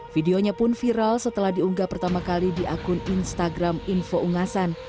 videonya pun viral setelah diunggah pertama kali di akun instagram info ungasan